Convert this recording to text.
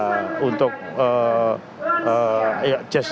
masyarakat surabaya adalah masyarakat seniman